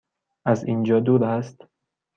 از اینجا دور است؟